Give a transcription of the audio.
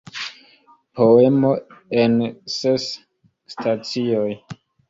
Poemo en ses stacioj.